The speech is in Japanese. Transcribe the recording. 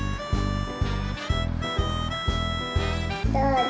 どうぞ。